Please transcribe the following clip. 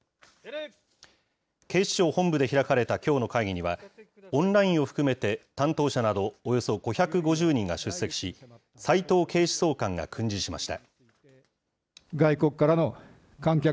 警視庁本部で開かれたきょうの会議には、オンラインを含めて担当者など、およそ５５０人が出席し、斎藤警視総監が訓示しました。